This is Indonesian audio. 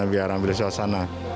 biar ambil suasana